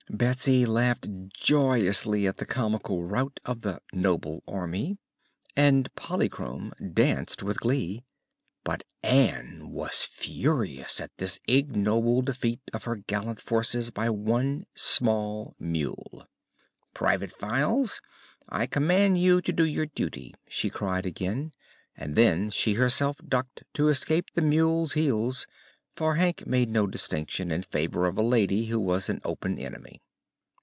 Betsy laughed joyously at the comical rout of the "noble army," and Polychrome danced with glee. But Ann was furious at this ignoble defeat of her gallant forces by one small mule. "Private Files, I command you to do your duty!" she cried again, and then she herself ducked to escape the mule's heels for Hank made no distinction in favor of a lady who was an open enemy.